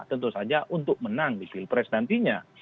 tentu saja untuk menang di pilpres nantinya